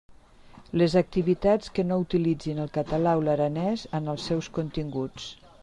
Les activitats que no utilitzin el català o l'aranès en els seus continguts.